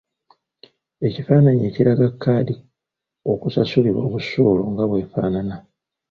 Ekifaananyi ekiraga kkaadi okusasulirwa obusuulu nga bw'efaanana.